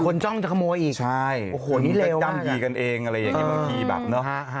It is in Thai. คนจ้องจะขโมยอีกใช่คนก็ย่ำดีกันเองอะไรอย่างเงี้ยบางทีแบบเนอะ